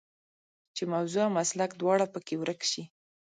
چې موضوع او مسلک دواړه په کې ورک شي.